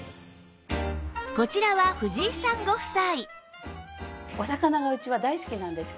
こちらは藤井さんご夫妻